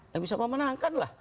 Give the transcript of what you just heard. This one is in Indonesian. yang bisa memenangkan lah